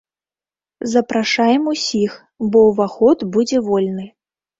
Запрашаем усіх, бо ўваход будзе вольны.